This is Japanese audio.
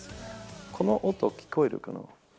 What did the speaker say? この音聞こえるかな？